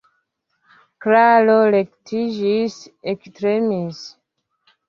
Klaro rektiĝis, ektremis.